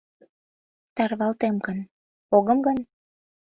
Тарвалтем гын, огым гын?